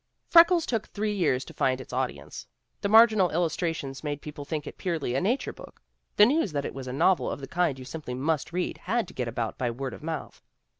Freckles took three years to find its audience. The marginal illustrations made people think it purely a nature book. The news that it was a novel of the kind you simply must read had to get about by word of mouth.